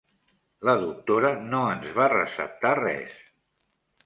La doctora no ens va receptar res.